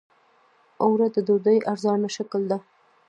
اوړه د ډوډۍ ارزانه شکل دی